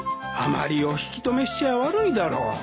あまりお引き留めしちゃ悪いだろう。